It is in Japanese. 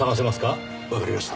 わかりました。